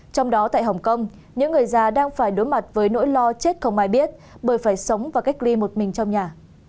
trong đó tại hồng kông những người già đang phải đối mặt với nỗi lo chết không ai biết bởi phải sống và cách ly một mình trong nhà